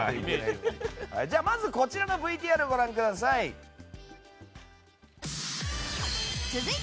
まずこちらのＶＴＲをご覧ください。